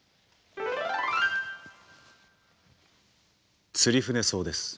ツリフネソウです。